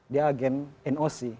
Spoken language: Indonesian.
dia agen noc